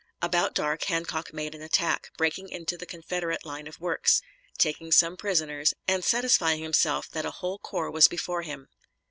About dark Hancock made an attack, breaking into the Confederate line of works, taking some prisoners, and satisfying himself that a whole corps was before him.